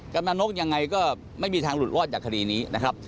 กำลังนกยังไงก็ไม่มีทางหลุดรอดจากคดีนี้นะครับ